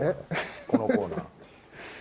このコーナー。